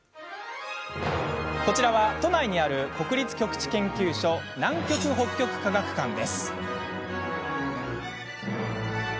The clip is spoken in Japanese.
こちらは都内にある国立極地研究所南極・北極科学館です。